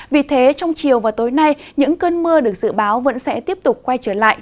vì thế trong chiều và tối nay những cơn mưa được dự báo vẫn sẽ tiếp tục quay trở lại